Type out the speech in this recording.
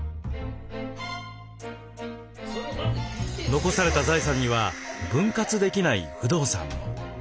残された財産には分割できない不動産も。